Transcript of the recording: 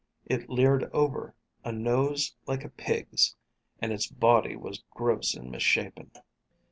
It leered over a nose like a pig's, and its body was gross and misshapen.